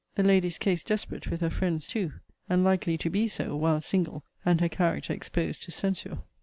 The lady's case desperate with her friends too; and likely to be so, while single, and her character exposed to censure.